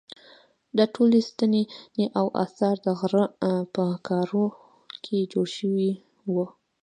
دا ټولې ستنې او اثار د غره په ګارو کې جوړ شوي وو.